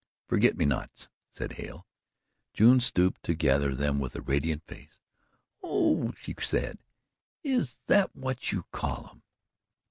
"Forget me nots," said Hale. June stooped to gather them with a radiant face. "Oh," she said, "is that what you call 'em?"